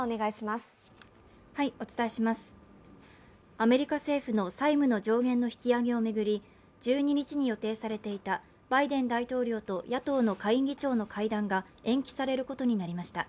アメリカ政府の債務の上限の引き上げを巡り１２日に予定されていたバイデン大統領と野党の下院議長の会談が延期されることになりました。